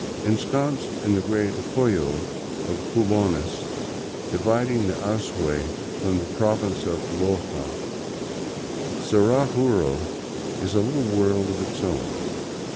Ensconced in the great hoyo of Jubones, dividing the Azuay f torn the province of Loja, Zaraguro is a little v^^orld of its own.